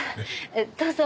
どうぞ。